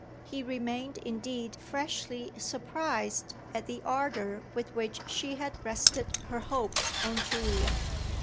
He remained indeed freshly surprised at the ardour with which she had rested her hopes on Julia.